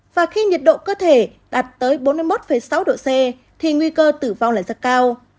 và khi nhiệt độ cơ thể đạt tới bốn mươi một sáu độ c thì nguy cơ tử vong lại rất cao